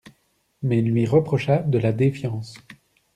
Mais il lui reprocha de la défiance.